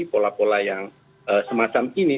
pola pola yang semacam ini